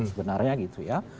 sebenarnya gitu ya